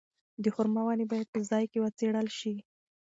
د خورما ونې باید په ځای کې وڅېړل شي.